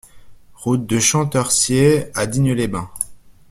Route de Champtercier à Digne-les-Bains